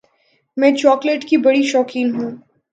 میں چاکلیٹ کی بڑی شوقین ہوں۔